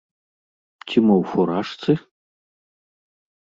Ці мо ў фуражцы?